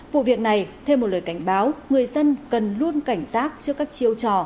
vụ việc này thêm một lời cảnh báo người dân cần luôn cảnh giác trước các chiêu trò